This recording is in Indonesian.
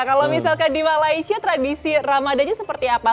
kalau misalkan di malaysia tradisi ramadannya seperti apa